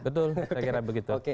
betul saya kira begitu